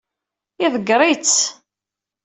Iḍeggeṛ-itt.